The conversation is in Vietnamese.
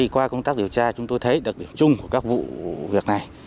qua công tác điều tra chúng tôi thấy đặc điểm chung của các vụ việc này